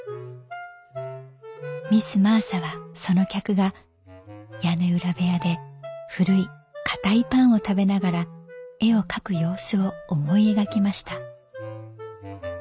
「ミス・マーサはその客が屋根裏部屋で古いかたいパンを食べながら絵を描く様子を思い描きました」。